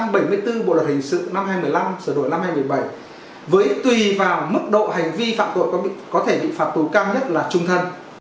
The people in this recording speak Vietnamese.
bốn bộ luật hình sự năm hai nghìn một mươi năm sở đổi năm hai nghìn một mươi bảy với tùy vào mức độ hành vi phạm tội có thể bị phạt tù cao nhất là trung thân